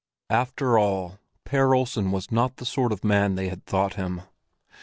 X After all, Per Olsen was not the sort of man they had thought him.